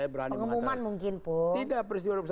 pengumuman mungkin pun